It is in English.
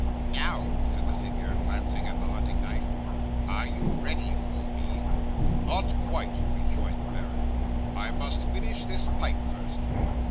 '"Now," said the figure, glancing at the hunting knife, "are you ready for me?" '"Not quite," rejoined the baron; "I must finish this pipe first."